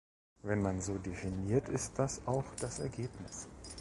Wenn man so definiert, ist das auch das Ergebnis.